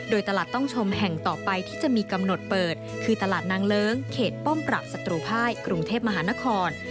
โดยตลาดต้องชมแห่งต่อไปที่จะมีกำหนดเปิดคือตลาดนางเลิ้งเขตป้อมปรับศัตรูภายกรุงเทพมหานคร